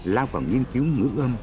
lao vào nghiên cứu ngữ âm